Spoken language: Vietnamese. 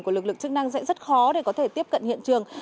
của lực lượng chức năng sẽ rất khó để có thể tiếp cận hiện trường